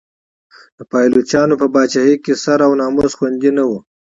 د پایلوچانو په پاچاهۍ کې سر او ناموس خوندي نه و.